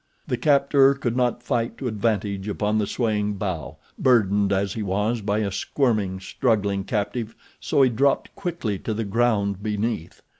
The captor could not fight to advantage upon the swaying bough, burdened as he was by a squirming, struggling captive, so he dropped quickly to the ground beneath.